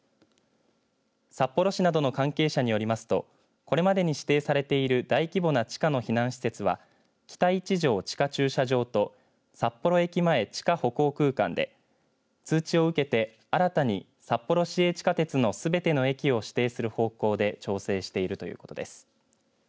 札幌市などの関係者によりますとこれまでに指定されている大規模な地下の避難施設は北一条地下駐車場と札幌駅前地下歩行空間で通知を受けて、新たに札幌市営地下鉄のすべての駅を指定する方向で調整しているということです。